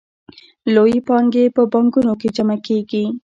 لویې پانګې په بانکونو کې جمع کېږي